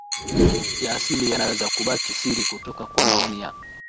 ya asili yanaweza kubaki siri kutoka kwa maoni ya